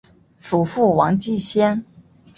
祖父王继先。